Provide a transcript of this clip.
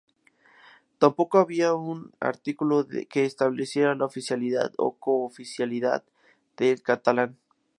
Tampoco había un artículo que estableciera la oficialidad o cooficialidad del catalán.